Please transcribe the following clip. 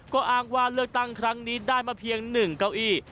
ก็อ้างว่าเลือกตั้งครั้งนี้ได้มาเพียง๑เก้าอี้